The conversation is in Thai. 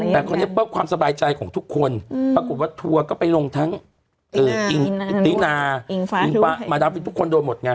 มีทั้งติ๊นาอิงฟ้ามาดามฟินทุกคนโดนหมดไง